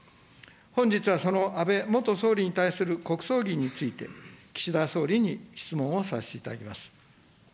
本日はその安倍元総理に対する国葬儀について、岸田総理に質問をさせていただきます。